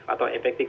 atau hal yang lain